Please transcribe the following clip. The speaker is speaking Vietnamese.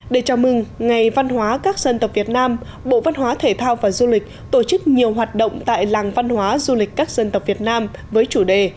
để chào mừng ngày văn hóa các dân tộc việt nam bộ văn hóa thể thao và du lịch tổ chức nhiều hoạt động tại làng văn hóa du lịch các dân tộc việt nam với chủ đề